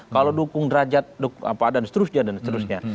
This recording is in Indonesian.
kalau dukung derajat dan seterusnya